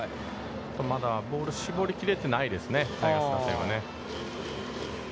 まだボールを絞り切れてないですね、タイガース打線はね。